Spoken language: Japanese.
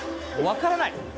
分からない。